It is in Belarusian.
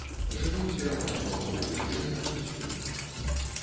Жывуць пераважна ў паўпустынях і пустынях.